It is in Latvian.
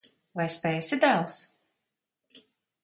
Vai spēsi, dēls?